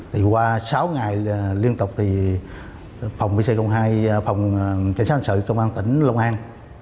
thì qua sáu ngày liên tục thì phòng pc hai phòng cảnh sát hành sự công an tỉnh long an